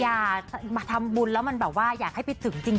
อย่ามาทำบุญแล้วมันแบบว่าอยากให้ไปถึงจริง